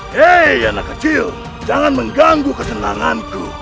hei anak kecil jangan mengganggu kesenanganku